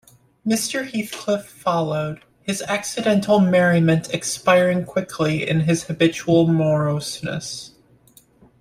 Mr. Heathcliff followed, his accidental merriment expiring quickly in his habitual moroseness.